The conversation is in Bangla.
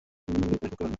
আপনি কেন এসব করেন?